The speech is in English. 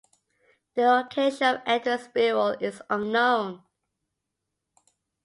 The location of Edward's burial is unknown.